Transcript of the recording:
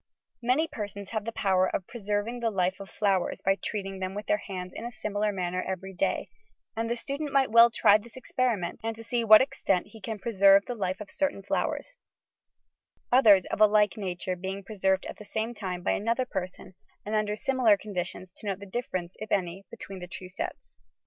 Many persoDs have the power of preserving the lite of flowers by treating them with their hands in a similar manner every day, and the student might well try this experiment and see to what extent he can preserve the life of certain flowers—others of a like nature being preserved at the same time by another person and under similar conditions to note the difference, if any, between the two sets.